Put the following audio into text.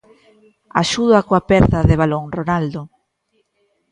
Axuda coa perda de balón Ronaldo.